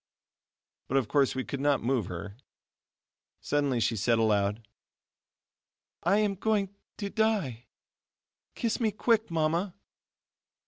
But of course we could not move her. Suddenly she said aloud: "I am going to die! kiss me quick, Mama."